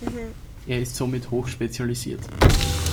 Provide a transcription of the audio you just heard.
Er ist somit hoch spezialisiert.